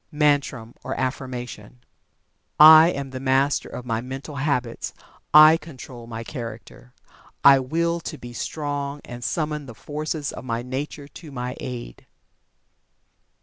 MANTRAM (OR AFFIRMATION). I am the Master of my Mental Habits I control my Character. I Will to be Strong, and summon the forces of my Nature to my aid.